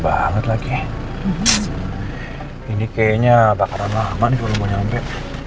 macet banget lagi ini kayaknya bakaran lama nih belum nyampe